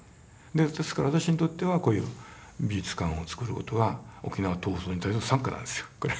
ですから私にとってはこういう美術館をつくる事は沖縄闘争に対する参加なんですよこれ。